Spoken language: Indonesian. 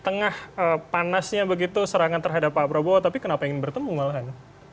tengah panasnya begitu serangan terhadap pak prabowo tapi kenapa ingin bertemu malahan